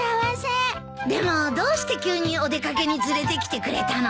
でもどうして急にお出掛けに連れてきてくれたの？